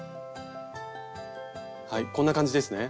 はいこんな感じですね。